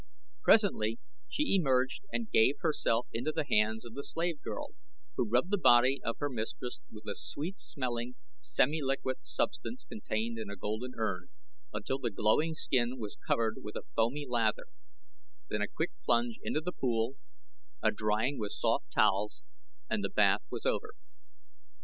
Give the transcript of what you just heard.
Presently she emerged and gave herself into the hands of the slave girl, who rubbed the body of her mistress with a sweet smelling semi liquid substance contained in a golden urn, until the glowing skin was covered with a foamy lather, then a quick plunge into the pool, a drying with soft towels, and the bath was over.